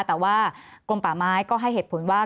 แต่ว่ากลมป่าไม้ก็ให้เหตุผลว่า